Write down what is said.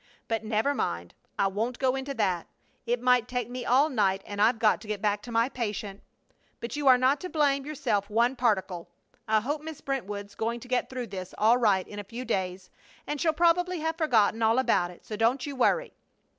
But never mind, I won't go into that! It might take me all night, and I've got to go back to my patient. But you are not to blame yourself one particle. I hope Miss Brentwood's going to get through this all right in a few days, and she'll probably have forgotten all about it, so don't you worry.